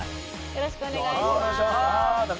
よろしくお願いします